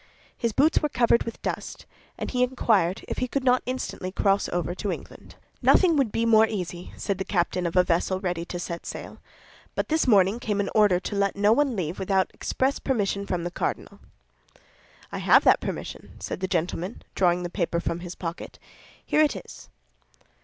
His boots were covered with dust, and he inquired if he could not instantly cross over to England. "Nothing would be more easy," said the captain of a vessel ready to set sail, "but this morning came an order to let no one leave without express permission from the cardinal." "I have that permission," said the gentleman, drawing the paper from his pocket; "here it is."